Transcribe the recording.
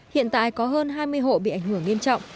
hiện tại có hơn hai mươi hộ bị ảnh hưởng nghiêm trọng